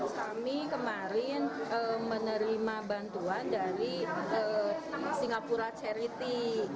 kami kemarin menerima bantuan dari singapura charity